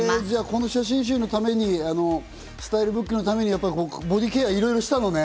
この写真集のために、スタイルブックのためにボディケアをいろいろしたのね。